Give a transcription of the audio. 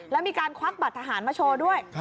แล้วมีการควักบัตรทหารมาโชว์ด้วย